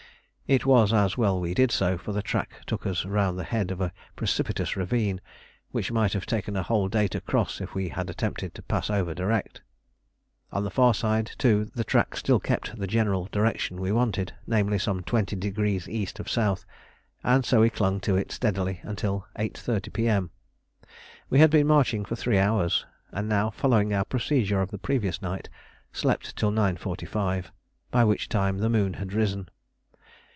It was as well we did so, for the track took us round the head of a precipitous ravine which might have taken a whole day to cross if we had attempted to pass over direct. On the far side, too, the track still kept the general direction we wanted, namely, some twenty degrees east of south, and so we clung to it steadily until 8.30 P.M. We had been marching for three hours, and now following our procedure of the previous night, slept till 9.45, by which time the moon had risen.